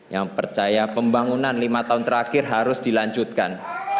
yang percaya pembangunan lima tahun terakhir harus dilanjutkan